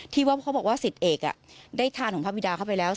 ที่ว่าเขาบอกว่าสิทธิ์เอกได้ทานของพระบิดาเข้าไปแล้ว